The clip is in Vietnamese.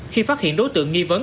khi phát hiện đối tượng nghi vấn